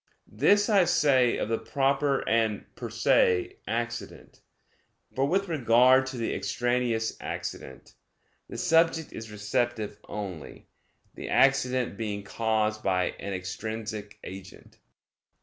This I say of the proper and per se accident; for with regard to the extraneous accident, the subject is receptive only, the accident being caused by an extrinsic agent.